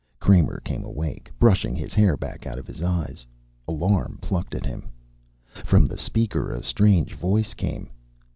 Kramer came awake, brushing his hair back out of his eyes. Alarm plucked at him. From the speaker a strange voice came.